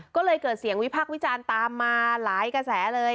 ก็เลยเกิดเสียงวิพากษ์วิจารณ์ตามมาหลายกระแสเลย